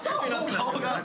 顔が。